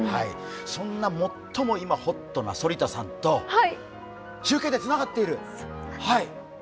そんな最も今ホットな反田さんと中継がつながっている。